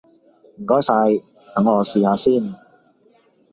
唔該晒，等我試下先！